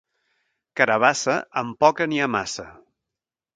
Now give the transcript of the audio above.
Carabassa, amb poca n'hi ha massa.